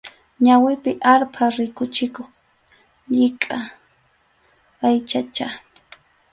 Ñawipi arpha rikuchikuq llika aychacha.